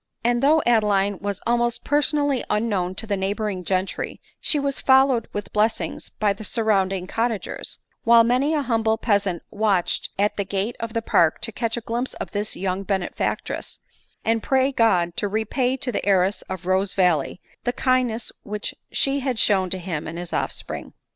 And though Adeline was almost personally unknown to the neighboring gentry, she was followed with blessings by the surrounding cottagers ; while many an humble peasant watched at the gate of the park to catch a glimpse of his young benefactress, and pray God to re pay to the heiress of Rosevalley the kindness which she had shown to him and his offspring.